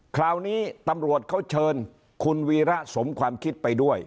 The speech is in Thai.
คราวนี้ตำรวจเขาเชิญคุณวีระสมความคิดไปด้วย